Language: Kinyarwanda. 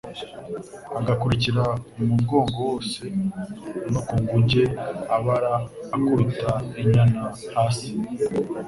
agakurikira umugongo wose no ku nguge abara akubita inyana hasi